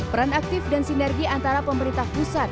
peran aktif dan sinergi antara pemerintah pusat